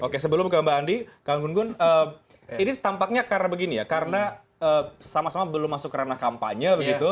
oke sebelum ke mbak andi kang gunggun ini tampaknya karena begini ya karena sama sama belum masuk ke ranah kampanye begitu